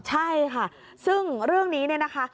ใช่ค่ะซึ่งเรื่องนี้นะคะ